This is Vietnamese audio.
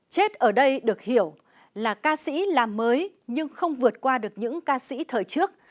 chết ở đây được hiểu là ca sĩ làm mới nhưng không vượt qua được những ca sĩ thời trước